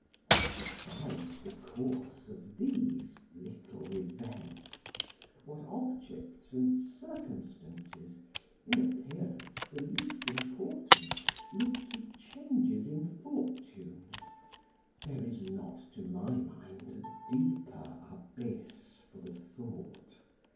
What decides the course of these little events, what objects and circumstances, in appearance the least important, lead to changes in fortune, there is not, to my mind, a deeper abyss for the thought.